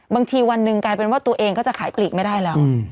วันหนึ่งกลายเป็นว่าตัวเองก็จะขายปลีกไม่ได้แล้ว